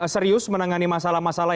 serius menangani masalah masalah